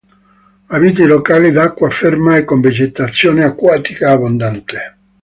Abita i locali d'acqua ferma e con vegetazione acquatica abbondante.